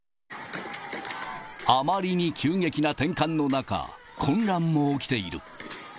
あまりに急激な転換の中、混乱も起きている。